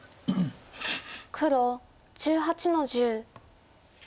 黒１８の十。